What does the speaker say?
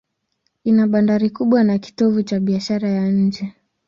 Ina bandari kubwa na ni kitovu cha biashara ya nje.